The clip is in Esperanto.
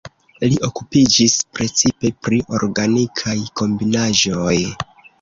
Li okupiĝis precipe pri organikaj kombinaĵoj.